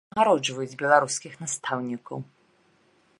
Як узнагароджваюць беларускіх настаўнікаў?